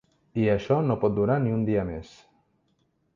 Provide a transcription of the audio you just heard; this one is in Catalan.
I això no pot durar ni un dia més.